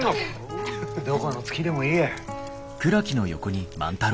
どこの月でもいい。